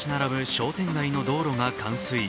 商店街の道路が冠水。